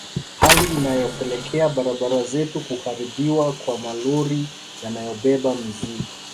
Hali inayopelekea barabara zetu kuharibiwa kwa malori yanayobeba mizigo